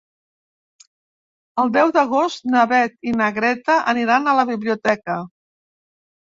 El deu d'agost na Beth i na Greta aniran a la biblioteca.